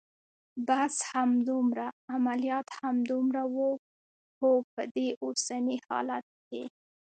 بس همدومره؟ عملیات همدومره و؟ هو، په دې اوسني حالت کې.